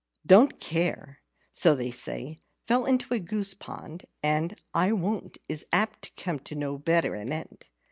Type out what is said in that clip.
"Don't Care" so they say fell into a goose pond; and "I won't" is apt to come to no better an end.